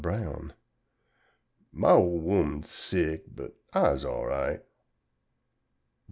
Brown_ "My ole 'ooman's sick, but I'se alright " _Bro.